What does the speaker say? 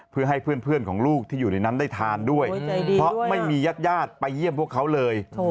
เพื่อให้เพื่อนของลูกที่อยู่ในนั้นได้ทานด้วยเพราะไม่มีญาติไปเยี่ยมพวกเขาเลย